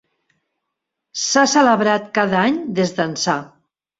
S'ha celebrat cada any des d'ençà.